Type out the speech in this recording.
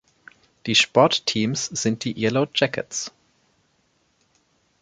Die Sportteams sind die "Yellow Jackets".